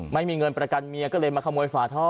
ไม่มีเงินประกันเมียก็เลยมาขโมยฝาท่อ